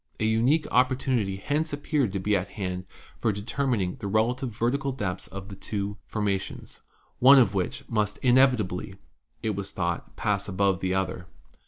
An unique opportunity hence ap peared to be at hand for determining the relative vertical depths of the two formations, one of which must inevit ably, it was thought, pass above the other.